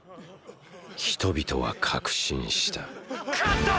人々は確信した勝った！！